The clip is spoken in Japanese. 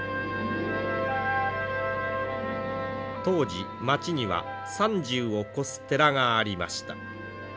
当時町には３０を超す寺がありました。